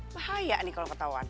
bahaya nih kalo ketauan